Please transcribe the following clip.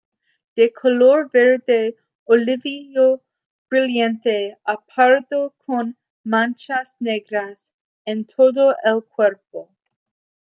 De color verde olivo brillante a pardo con manchas negras en todo el cuerpo.